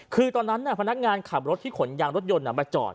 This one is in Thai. คือตอนนั้นพนักงานขับรถที่ขนยางรถยนต์มาจอด